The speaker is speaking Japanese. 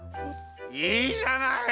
いいじゃない！